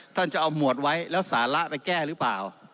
ท่านจะเอาหมวดไว้แล้วสาระไปแก้หรือเปล่า